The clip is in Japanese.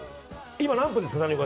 今、何分ですか？